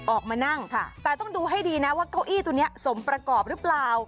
ออกมานั่งแต่ต้องดูให้ดีนะว่าเก้าอี้ตัวนี้สมประกอบหรือเปล่า